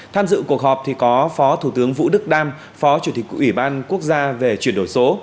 tham dự cuộc họp thì có phó thủ tướng vũ đức đam phó chủ tịch ủy ban quốc gia về chuyển đổi số